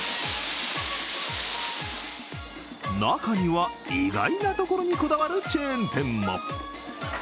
中には、意外なところにこだわるチェーン店も。